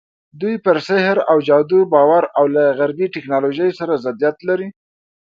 دوی پر سحر او جادو باور او له غربي ټکنالوژۍ سره ضدیت لري.